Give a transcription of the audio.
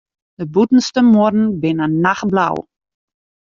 De bûtenste muorren binne nachtblau.